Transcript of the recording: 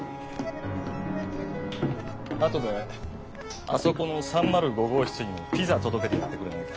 後であそこの３０５号室にピザ届けてやってくれないか。